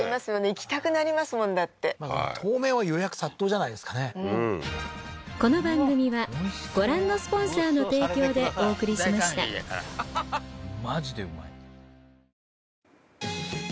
行きたくなりますもんだって当面は予約殺到じゃないですかねきたきたきたきたー！